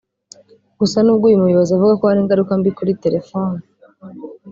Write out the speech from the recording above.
Gusa n’ubwo uyu muyobozi avuga ko hari ingaruka mbi kuri telephone